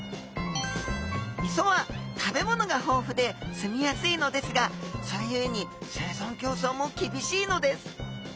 磯は食べ物が豊富で住みやすいのですがそれゆえに生存競争もきびしいのです。